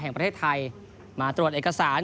แห่งประเทศไทยมาตรวจเอกสาร